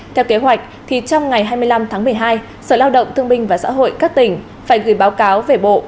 theo kế hoạch thì trong ngày hai mươi năm tháng một mươi hai sở lao động thương minh và xã hội các tỉnh phải gửi báo cáo về bộ